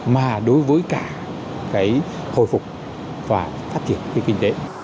mà đối với cả hồi phục và phát triển kinh tế